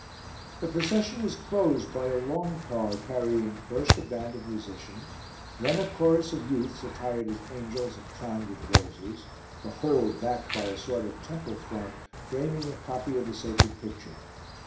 The procession was closed by a long car carrying first a band of musicians, then a chorus of youths attired as angels and crowned with roses, the whole backed by a sort of temple front framing a copy of the sacred picture.